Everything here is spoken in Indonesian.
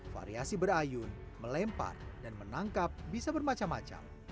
variasi berayun melempar dan menangkap bisa bermacam macam